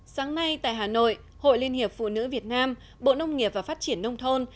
sáng nay tại hà nội hội liên hiệp phụ nữ việt nam bộ nông nghiệp và phát triển nông thôn